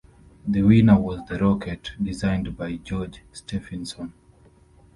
The winner was the Rocket, designed by George Stephenson.